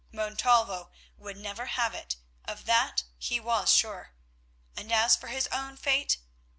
Montalvo would never have it, of that he was sure. And as for his own fate?